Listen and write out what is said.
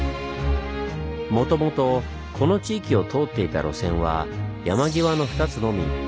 もともとこの地域を通っていた路線は山際の２つのみ。